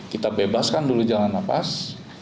kita bebaskan dulu jalan nafas